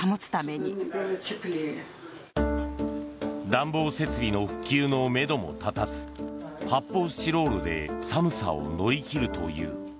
暖房設備の復旧のめども立たず発泡スチロールで寒さを乗り切るという。